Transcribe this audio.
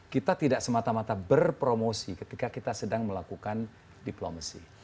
kita tidak semata mata berpromosi ketika kita sedang melakukan diplomasi